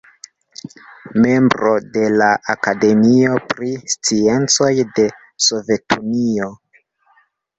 Membro de la Akademio pri Sciencoj de Sovetunio.